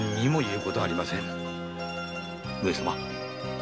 上様。